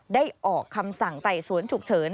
ได้ออกคำสั่งไต่สวนฉุกเฉิน